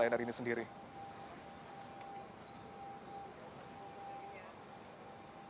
ini adalah pesawat lion rjt enam ratus sepuluh